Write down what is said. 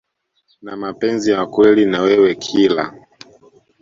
na mapenzi ya kweli na wewe Kila